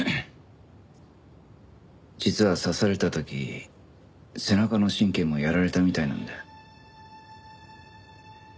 実は刺された時背中の神経もやられたみたいなんだよ。